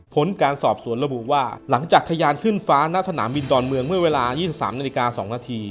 ผลการสอบสวนระบุว่าหลังจากทะยานขึ้นฟ้าณสนามบินดอนเมืองเมื่อเวลา๒๓นาฬิกา๒นาที